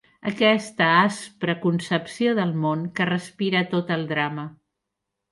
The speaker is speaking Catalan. Aquesta aspra concepció del món que respira tot el drama